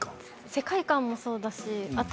世界観もそうだし